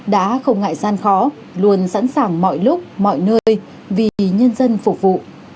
đã không ngại gian khó luôn sẵn sàng mọi lúc mọi nơi vì nhân dân phục vụ